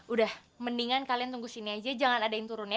udah mendingan kalian tunggu sini aja jangan ada yang turunnya